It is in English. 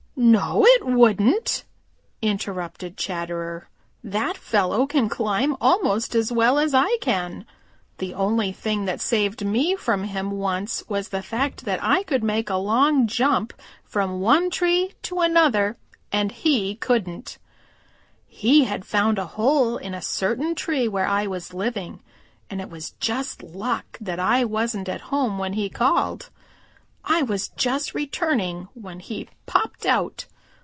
"No, it wouldn't!" interrupted Chatterer. "No, it wouldn't. That fellow can climb almost as well as I can. The only thing that saved me from him once was the fact that I could make a long jump from one tree to another and he couldn't. He had found a hole in a certain tree where I was living, and it was just luck that I wasn't at home when he called. I was just returning when he popped out.